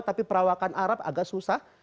tapi perawakan arab agak susah